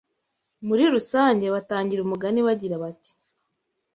Muri rusange batangira umugani bagira bati